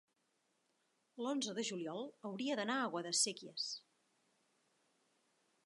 L'onze de juliol hauria d'anar a Guadasséquies.